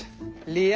リア。